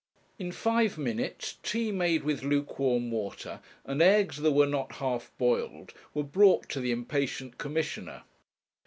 In five minutes, tea made with lukewarm water, and eggs that were not half boiled were brought to the impatient Commissioner.